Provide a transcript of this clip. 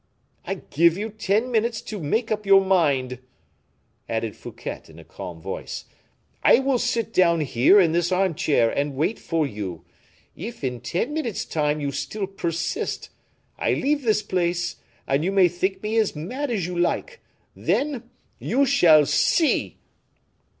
"I give you ten minutes to make up your mind," added Fouquet, in a calm voice. "I will sit down here, in this armchair, and wait for you; if, in ten minutes' time, you still persist, I leave this place, and you may think me as mad as you like. Then you shall _see!